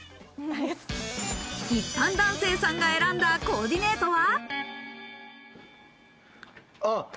一般男性さんが選んだコーディネートは。